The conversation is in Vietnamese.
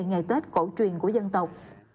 ngày tết cổ truyền của dân tộc